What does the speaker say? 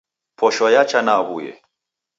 Posho yacha na aw'uye.